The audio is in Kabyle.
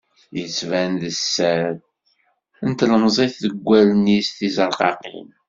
Yettban-d sser n tlemẓit deg wallen-is tizerqaqin.